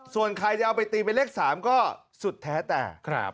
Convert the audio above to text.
ส่วนใครจะเอาไปตีเป็นเลข๓ก็สุดแท้แต่